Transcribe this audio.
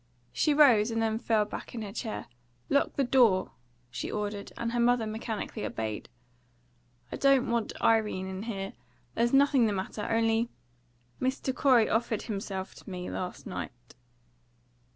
She rose, and then fell back in her chair. "Lock the door!" she ordered, and her mother mechanically obeyed. "I don't want Irene in here. There's nothing the matter. Only, Mr. Corey offered himself to me last night."